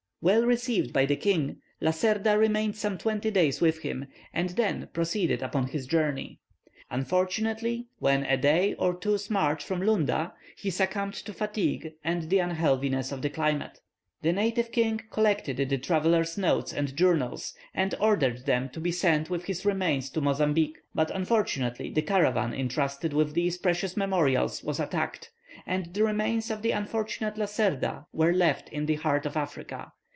Well received by the king, Lacerda remained some twelve days with him, and then proceeded upon his journey. Unfortunately, when a day or two's march from Lunda he succumbed to fatigue and the unhealthiness of the climate. The native king collected the traveller's notes and journals, and ordered them to be sent with his remains to Mozambique. But unfortunately the caravan entrusted with these precious memorials was attacked, and the remains of the unfortunate Lacerda were left in the heart of Africa.